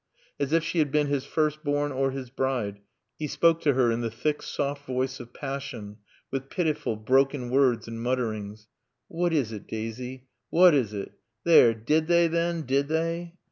As if she had been his first born, or his bride, he spoke to her in the thick, soft voice of passion, with pitiful, broken words and mutterings. "What is it, Daasy what is it? There, did they, then, did they?